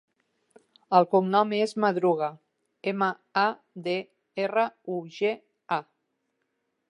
El cognom és Madruga: ema, a, de, erra, u, ge, a.